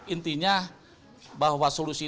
intinya bahwa solusi ini